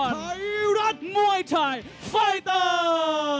ไทรัศน์มวยไทร์ไฟเตอร์